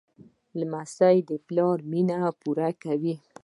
لمسی د پلار مینه پوره کوي.